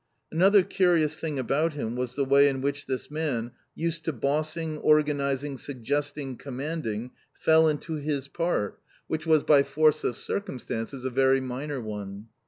Another curious thing about him was the way in which this man, used to bossing, organizing, suggesting, commanding, fell into his part, which was by force of circumstances a very minor one.